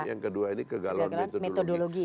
yang kedua ini kegalauan metodologi